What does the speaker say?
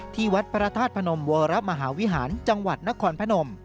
ที่วัดพระธาตุพนมวรมหาวิหารจังหวัดนครพนม